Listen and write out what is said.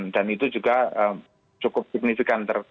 dan itu juga cukup signifikan